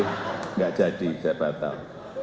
tidak jadi saya batal